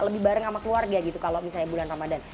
lebih bareng sama keluarga gitu kalau misalnya bulan ramadhan